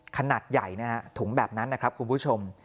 ขนาดใหญ่นะฮะถุงแบบนั้นนะครับคุณผู้ชม